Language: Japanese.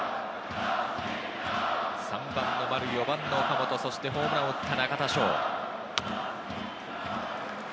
３番の丸、４番の岡本、そしてホームランを打った中田翔。